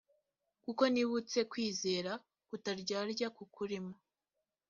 kuko nibutse kwizera kutaryarya kukurimo